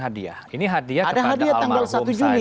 hadiah ini hadiah kepada almarhum saya